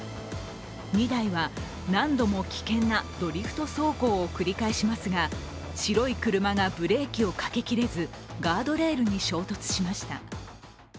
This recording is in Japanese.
２台は何度も危険なドリフト走行を繰り返しますが白い車がブレーキをかけきれず、ガードレールに衝突しました。